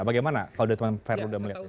bagaimana kalau teman teman pr ludem melihatnya